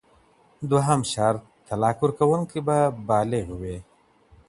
دوهم شرط - طلاق ورکوونکی به بالغ وي.